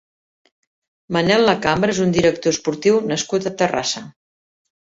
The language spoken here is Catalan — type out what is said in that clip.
Manel Lacambra és un dirictor esportiu nascut a Terrassa.